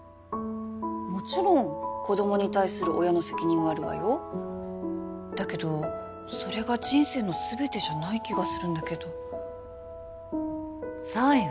もちろん子供に対する親の責任はあるわよだけどそれが人生の全てじゃない気がするんだけどそうよ